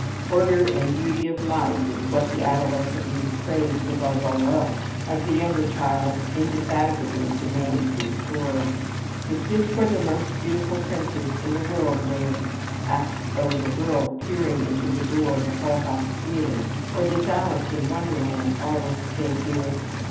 Order and beauty of life is what the adolescent youth craves above all else as the younger child indefatigably demands his story. "Is this where the most beautiful princess in the world lives?" asks a little girl peering into the door of the Hull House Theater, or "Does Alice in Wonderland always stay here?"